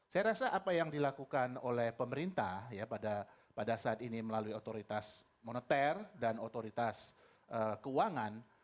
saya rasa apa yang dilakukan oleh pemerintah pada saat ini melalui otoritas moneter dan otoritas keuangan